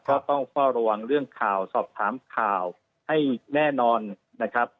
ต้องเฝ้าระวังเรื่องข่าวสอบถามข่าวให้แน่นอนนะครับ